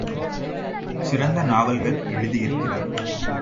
சிறந்த நாவல்கள் எழுதியிருக்கிறார்.